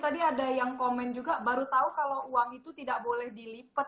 tadi ada yang komen juga baru tahu kalau uang itu tidak boleh dilipat